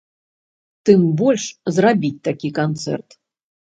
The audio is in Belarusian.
Тым больш, зрабіць такі канцэрт.